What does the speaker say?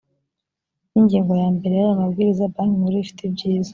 n ingingo ya mbere y aya mabwiriza banki nkuru ifite ibyiza